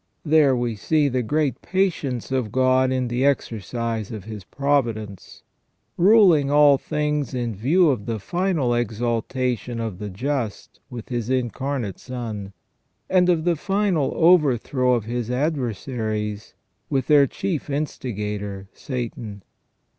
There we see the great patience of God in the exercise of His providence, ruling all things in view of the final exaltation of the just with His Incar nate Son, and of the final overthrow of His adversaries with their chief instigator, Satan.